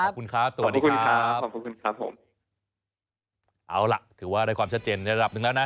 ขอบคุณครับสวัสดีคุณครับขอบคุณคุณครับผมเอาล่ะถือว่าได้ความชัดเจนในระดับหนึ่งแล้วนะ